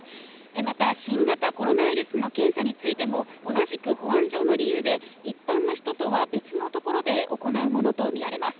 また、新型コロナウイルスの検査についても、同じく保安上の理由で、一般の人とは別の所で行うものと見られます。